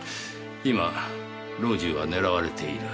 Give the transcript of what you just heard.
今老中は狙われている。